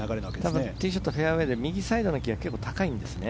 ティーショットフェアウェーで右サイドの木が高いんですね。